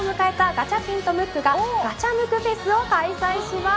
ガチャピンとムックがガチャムクフェスを開催します。